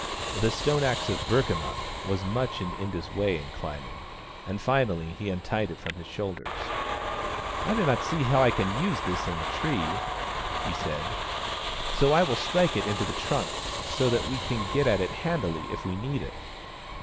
The stone axe of Burkamukk was much in Inda's way in climbing, and finally he untied it from his shoulders. " I do not see how I can use this in the tree," he THE STONE AXE OF BURKAMUKK 29 said. " See, I will strike it into the trunk, so that we can get at it handily if we need it."